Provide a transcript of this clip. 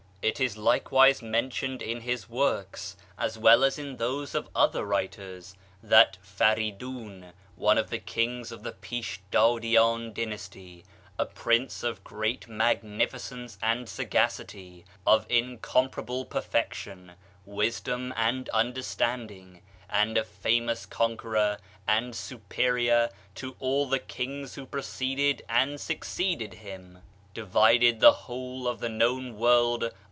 It is likewise mentioned in his works, as well as in those of other writers, that Faridoon,* one of the kings of the Pishdadian dynasty, a prince of great magnificence and sagacity, of incomparable perfection, wisdom and understanding, and a famous conqueror, and superior to all the kings who preceded and succeeded him, divided the ' Vide Isaiah xliv. 28, xlv.